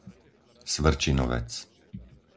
Svrčinovec